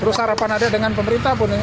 terus harapan adek dengan pemerintah pun asapnya